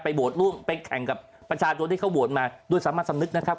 โหวตร่วมไปแข่งกับประชาชนที่เขาโหวตมาด้วยสามัญสำนึกนะครับ